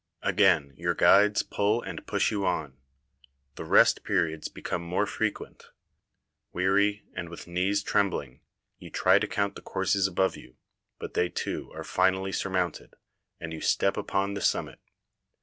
Again your guides pull and push you on. The rest periods become more frequent. Weary, and with knees trembling, you try to count the courses above you, but they too are finally surmounted, and you step upon the summit.